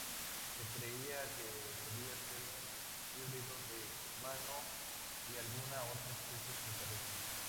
Se creía que podía ser un híbrido de humano y alguna otra especie extraterrestre.